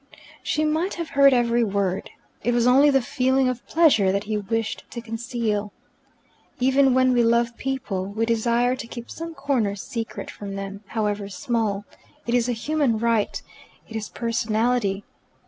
She might have heard every word. It was only the feeling of pleasure that he wished to conceal. Even when we love people, we desire to keep some corner secret from them, however small: it is a human right: it is personality.